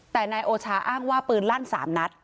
แต่นายโอชาอ้างว่าปืนลั่น๓นัด